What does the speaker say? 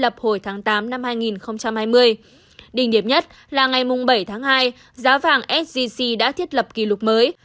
hồi tháng tám năm hai nghìn hai mươi đỉnh điểm nhất là ngày bảy tháng hai giá vàng sgc đã thiết lập kỷ lục mới